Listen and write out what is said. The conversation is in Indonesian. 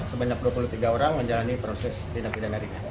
sebanyak dua puluh tiga orang menjalani proses tindak pidana ringan